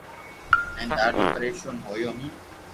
ھين ڌاڌو پرآݾون ھويو ھون